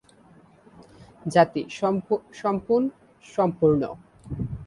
জাতি: সম্পূণ-সম্পূর্ণ।